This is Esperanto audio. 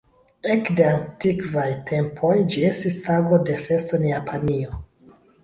Ekde antikvaj tempoj ĝi estis tago de festo en Japanio.